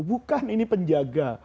bukan ini penjaga